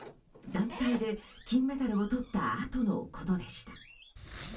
団体で金メダルをとったあとのことでした。